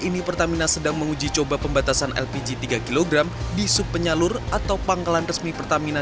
ini pertamina sedang menguji coba pembatasan lpg tiga kg di subpenyalur atau pangkalan resmi pertamina